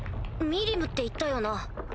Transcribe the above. ミリムって言ったよな？